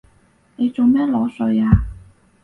你做乜裸睡啊？